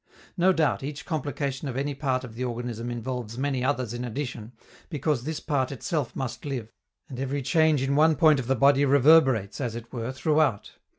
No doubt, each complication of any part of the organism involves many others in addition, because this part itself must live, and every change in one point of the body reverberates, as it were, throughout.